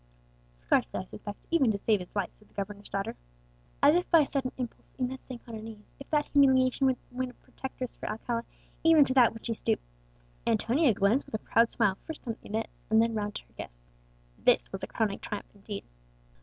"Scarcely, I suspect, even to save his life," said the governor's daughter. As if by a sudden impulse Inez sank on her knees; if that humiliation would win a protectress for Alcala, even to that would she stoop. Antonia glanced with a proud smile first down at Inez, then round at her guests. This was a crowning triumph indeed!